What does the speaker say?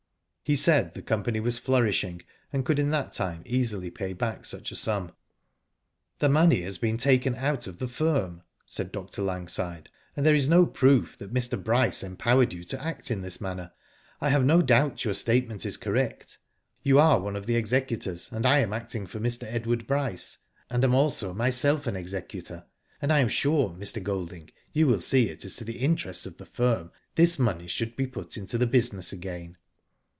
He said the company was flourishing, and could in that time easily pay back such a sum. "The money has been taken out of the firm,'' 3aid Pr. Langside, "and there is no proof that Digitized byGoogk HERBERT GOLDING, M.L.A. 137 Mr. Bryce empowered you to act in this manner. I have no doubt your statement is correct. You are one of the executors, and I am acting for Mr. Edward Bryce, and am also myself an executor, and 1 am sure, Mr. Golding, you will see it is to the interests of the firm this money should be put into the business again.